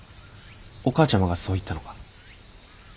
お母ちゃまがそう言ったのか？